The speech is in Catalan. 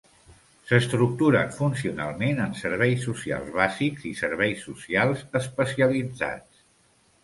S'estructuren funcionalment en serveis socials bàsics i serveis socials especialitzats.